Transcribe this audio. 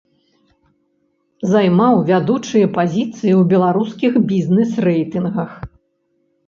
Займаў вядучыя пазіцыі ў беларускіх бізнес-рэйтынгах.